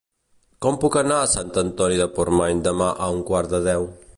Com puc anar a Sant Antoni de Portmany demà a un quart de deu?